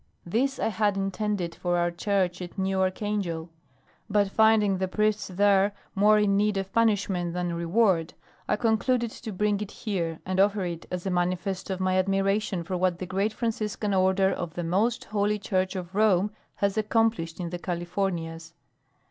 This I had intended for our church at New Archangel, but finding the priests there more in need of punishment than reward, I concluded to bring it here and offer it as a manifest of my admiration for what the great Franciscan Order of the Most Holy Church of Rome has accomplished in the Californias.